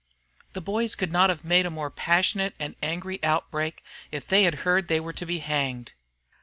The boys could not have made a more passionate and angry outbreak if they had heard they were to be hanged.